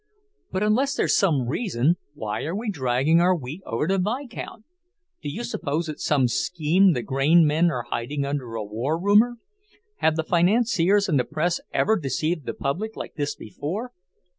"But unless there's some reason, why are we dragging our wheat over to Vicount? Do you suppose it's some scheme the grain men are hiding under a war rumour? Have the financiers and the press ever deceived the public like this before?"